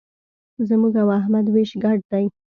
زموږ او احمد وېش ګډ دی.